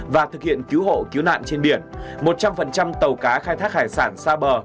và thực hiện cứu hộ cứu nạn trên biển một trăm linh tàu cá khai thác hải sản xa bờ